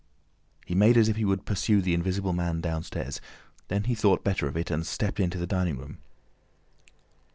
He made as if he would pursue the Invisible Man downstairs. Then he thought better of it and stepped into the dining room.